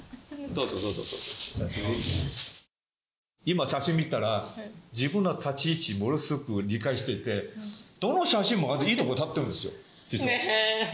今写真見たら自分の立ち位置ものすごく理解していてどの写真もいいところ立ってるんですよ実は。